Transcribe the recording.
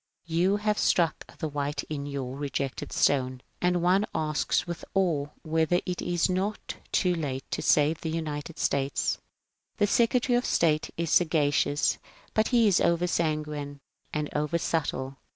You have struck the white in your '^ Rejected Stone." And one asks with awe whether it is not already too late to save the ^^ United States ?"... The Secretary of State is sagacious — but he is over sanguine and over subtle.